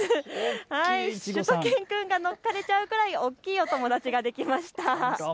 しゅと犬くんが乗っかれちゃうくらい大きい友達ができました。